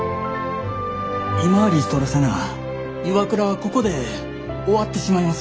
今リストラせなＩＷＡＫＵＲＡはここで終わってしまいます。